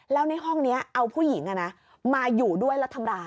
แล้วในห้องนี้เอาผู้หญิงมาอยู่ด้วยแล้วทำร้าย